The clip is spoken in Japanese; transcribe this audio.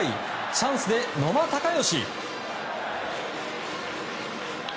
チャンスで野間峻祥。